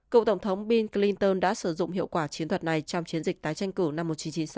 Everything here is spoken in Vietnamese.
cựu tổng thống bill clinton đã sử dụng hiệu quả chiến thuật này trong chiến dịch tái tranh cử năm một nghìn chín trăm chín mươi sáu